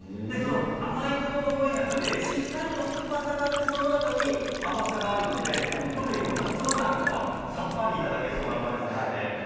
甘いぶどうが多い中で酸っぱさもあってそのあとに甘さがあるので特に夏場なんかさっぱりいただけそうな感じですね。